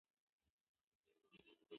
موټر چلونکي خپلې سترګې پټې کړې.